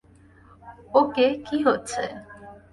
ওকে, কী হচ্ছে?